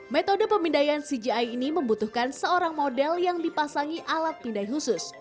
metode pemindaian cgi ini membutuhkan seorang model yang dipasangi alat pindai khusus